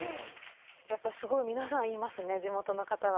やっぱすごい皆さん言いますね地元の方は。